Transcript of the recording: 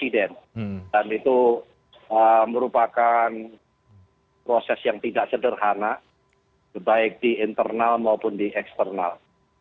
dan itu merupakan proses yang tidak sederhana baik di internal maupun di eksternal